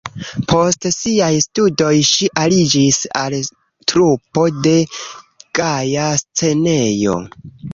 Post siaj studoj ŝi aliĝis al trupo de "Gaja Scenejo".